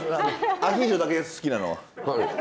アヒージョだけです好きなのは。